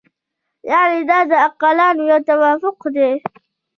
یعنې دا د عاقلانو یو توافق دی.